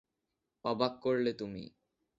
অবাক করলে তুমি।